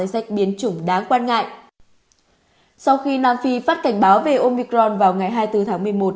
sau khi nam phi phát cảnh báo về omicron vào ngày hai mươi bốn tháng một mươi một